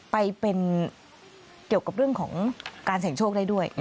ไปเป็นเกี่ยวกับเรื่องของการเสี่ยงโชคได้ด้วย